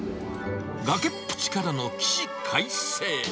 崖っぷちからの起死回生。